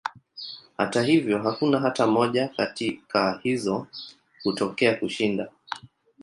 Hata hivyo, hakuna hata moja katika hizo kutokea kushinda.